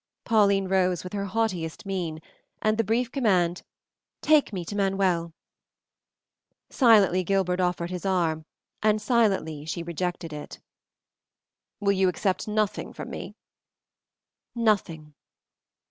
Pauline rose with her haughtiest mien, and the brief command, "Take me to Manuel." Silently Gilbert offered his arm, and silently she rejected it. "Will you accept nothing from me?" "Nothing."